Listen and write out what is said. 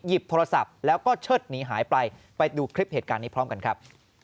โทรศัพท์แล้วก็เชิดหนีหายไปไปดูคลิปเหตุการณ์นี้พร้อมกันครับ